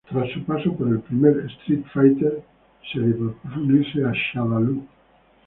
Tras su paso por el primer "Street Fighter", se le propuso unirse a Shadaloo.